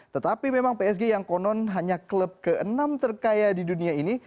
tetapi memang psg yang konon hanya klub ke enam terkaya di dunia ini